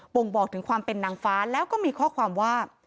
่งบอกถึงความเป็นนางฟ้าแล้วก็มีข้อความว่า